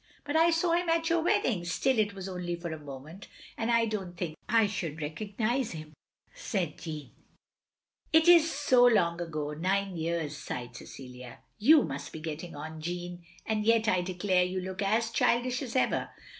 " "But I saw him at your wedding. Still — ^it was only for a moment, and I don't think I shotdd recognise him," said Jeanne. " It is so long ago — ^nine years, " sighed Cecilia. " You must be getting on, Jeanne; and yet, I de clare you look as childish as ever.